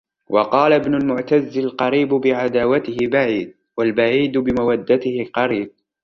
وَقَالَ ابْنُ الْمُعْتَزِّ الْقَرِيبُ بِعَدَاوَتِهِ بَعِيدٌ ، وَالْبَعِيدُ بِمَوَدَّتِهِ قَرِيبٌ